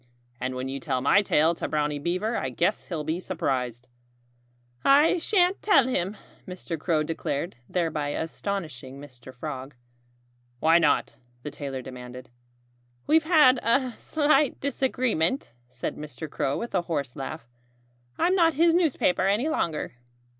And when you tell my tale to Brownie Beaver I guess he'll be surprised." "I shan't tell him," Mr. Crow declared, thereby astonishing Mr. Frog. "Why not?" the tailor demanded. "We've had a slight disagreement," said Mr. Crow with a hoarse laugh. "I'm not his newspaper any longer."